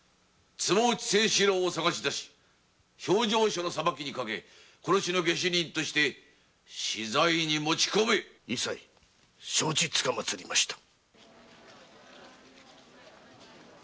精四郎を捜し出し評定所の裁きにかけ殺しの下手人として死罪にもちこめ委細承知つかまつりました。